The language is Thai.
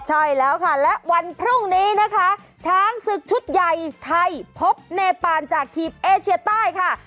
ใช่แล้วค่ะและวันพรุ่งนี้นะคะช้างศึกชุดใหญ่ไทยพบเนปานจากทีมเอเชียใต้ค่ะ